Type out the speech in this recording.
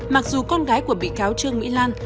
mặc dù con gái của bị cáo trương mỹ lan